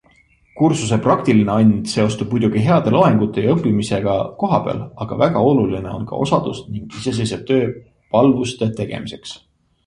Kursuse praktiline and seostub muidugi heade loengute ja õppimisega kohapeal, aga väga oluline on ka osadus ning iseseisev töö palvuste tegemiseks.